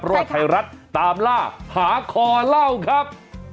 รถไทยรัฐตามล่าหาคอเล่าครับ